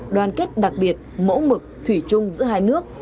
đoàn kết đặc biệt mẫu mực thủy chung giữa hai nước